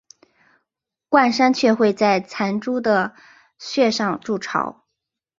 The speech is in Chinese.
冠山雀会在残株的穴上筑巢。